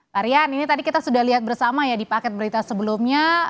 pak rian ini tadi kita sudah lihat bersama ya di paket berita sebelumnya